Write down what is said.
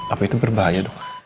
apa itu berbahaya dok